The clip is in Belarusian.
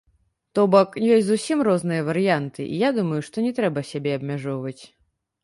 То бок ёсць зусім розныя варыянты, і я думаю, што не трэба сябе абмяжоўваць.